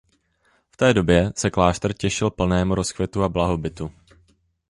V té době se klášter těšil plnému rozkvětu a blahobytu.